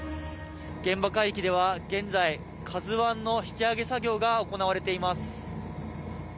現場海域では現在、ＫＡＺＵＩの引き揚げ作業が行われています。